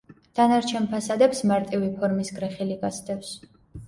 დანარჩენ ფასადებს მარტივი ფორმის გრეხილი გასდევს.